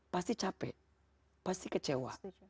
pasti capek pasti kecewa